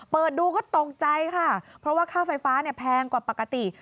เปิดดูก็ตกใจค่ะเพราะว่าค่าไฟฟ้าเนี่ยแพงกว่าปกติ